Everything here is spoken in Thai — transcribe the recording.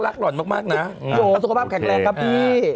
หล่อนมากนะสุขภาพแข็งแรงครับพี่